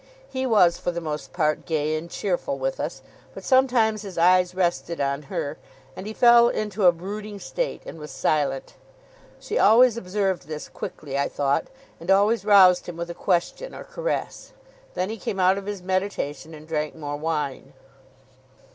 He was, for the most part, gay and cheerful with us; but sometimes his eyes rested on her, and he fell into a brooding state, and was silent. She always observed this quickly, I thought, and always roused him with a question or caress. Then he came out of his meditation, and drank more wine.